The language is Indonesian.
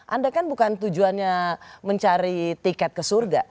anda kan bukan tujuannya mencari tiket ke surga